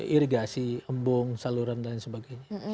irigasi embung saluran dan sebagainya